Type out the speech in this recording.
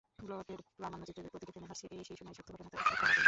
Blocked প্রামাণ্যচিত্রের প্রতিটি ফ্রেমে ভাসছে সেই সময়ের সত্য ঘটনার তাজা ক্ষণগুলো।